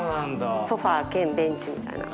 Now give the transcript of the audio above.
ソファ兼ベンチみたいな。